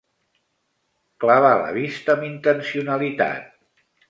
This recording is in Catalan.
Clavar la vista amb intencionalitat.